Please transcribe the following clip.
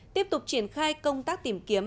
tiếp tục triển khai công tác tìm kiếm